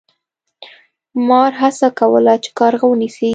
مار هڅه کوله چې کارغه ونیسي.